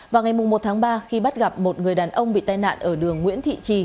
vào ngày một tháng ba khi bắt gặp một người đàn ông bị tai nạn ở đường nguyễn thị trì